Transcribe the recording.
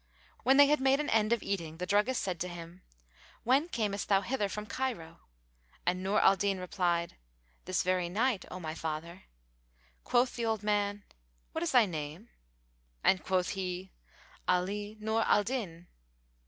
When they had made an end of eating, the druggist said to him, "When camest thou hither from Cairo?"; and Nur al Din replied, "This very night, O my father." Quoth the old man, "What is thy name?"; and quoth he, "Ali Nur al Din."